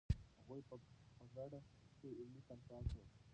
هغوی په ګډه یو علمي کنفرانس جوړ کړ.